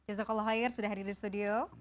jazakallah khair sudah hadir di studio